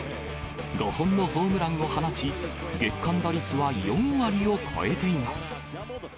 ５本のホームランを放ち、月間打率は４割を超えています。